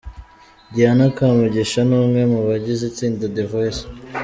Diana Kamugisha ni umwe mu bagize itsinda The Voice.